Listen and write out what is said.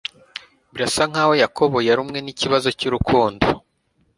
birasa nkaho yakobo yarumwe nikibazo cyurukundo